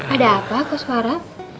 ada apa kok suara